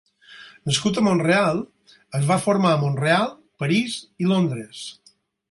Nascut a Mont-real, es va formar a Mont-real, París i Londres.